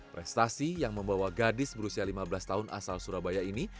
prestasi yang membawa gadis berusia lima belas tahun asal surabaya ini